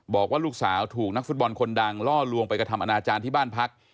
บอกว่าลูกสาวถูกนักฟุตบอลคนดังล่อลวงไปกระทำอนาจารย์ที่บ้านพัก